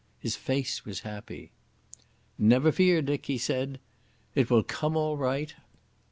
His face was happy. "Never fear, Dick," he said. "It will all come right.